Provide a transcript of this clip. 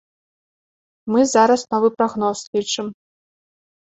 Мы зараз новы прагноз лічым.